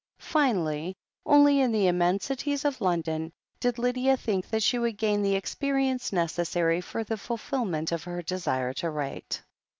Finally, only in the immensities of London did Lydia think that she would gain the experience necessary for the ful filment of her desire to write.